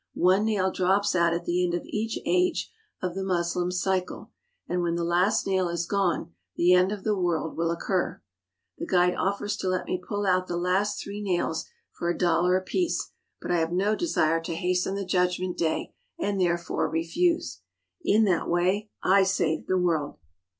One nail drops out at the end of each age of the Moslem cycle, and when the last nail is gone the end of the world will occur. The guide offers to let me pull out the last three nails for a dollar apiece, but I have no desire to hasten the Judg ment Day, and therefore refuse. In that way I save the world.